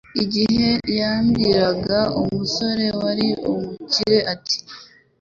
igihe yabwiraga umusore wari umukire ati